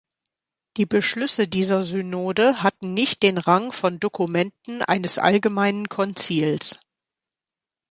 Die Beschlüsse dieser Synode hatten nicht den Rang von Dokumenten eines allgemeinen Konzils.